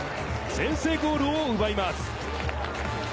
先制ゴールを奪います。